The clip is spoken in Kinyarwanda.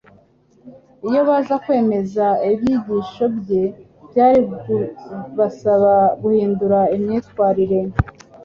Iyo baza kwemera ibyigishc bye, byari kubasaba guhindura imyifatire,